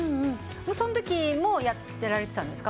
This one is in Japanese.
そのときもやられてたんですか？